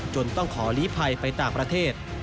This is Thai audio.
ต้องขอลีภัยไปต่างประเทศ